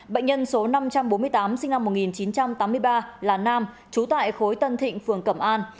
bệnh nhân số năm trăm bốn mươi tám sinh năm một nghìn chín trăm tám mươi ba là nam trú tại khối tân thịnh phường cẩm an